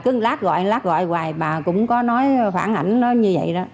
cứ lát gọi lát gọi hoài bà cũng có nói phản ảnh nó như vậy đó